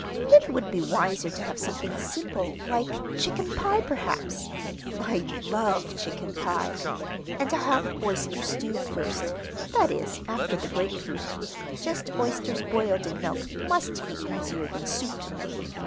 "It would be wiser to have something simple, like chicken pie, perhaps. I love chicken pie! And I'll have oyster stew first that is, after the grapefruit. Just oysters boiled in milk must be easier than soup to make.